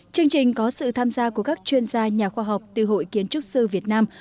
chương trình có sự tham gia của các chuyên gia nhà khoa học từ hội kiến trúc sư việt nam